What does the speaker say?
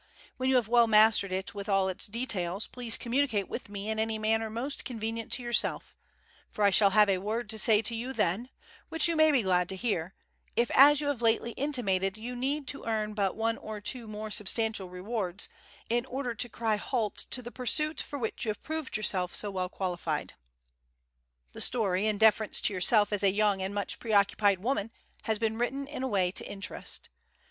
When you have well mastered it with all its details, please communicate with me in any manner most convenient to yourself, for I shall have a word to say to you then, which you may be glad to hear, if as you have lately intimated you need to earn but one or two more substantial rewards in order to cry halt to the pursuit for which you have proved yourself so well qualified. The story, in deference to yourself as a young and much preoccupied woman, has been written in a way to interest.